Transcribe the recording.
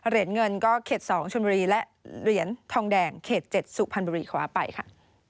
เหรียญเงินก็เขต๒ชนบุรีและเหรียญทองแดงเขต๗สุพรรณบุรีคว้าไปค่ะ